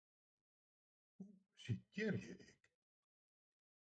Hoe sitearje ik?